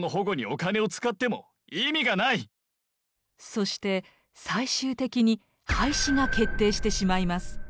そして最終的に廃止が決定してしまいます。